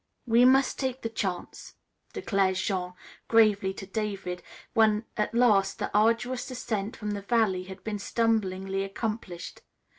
"We mus' tak' the chance," declared Jean gravely to David, when at last the arduous ascent from the valley had been stumblingly accomplished.